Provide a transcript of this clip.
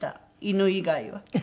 犬以外は。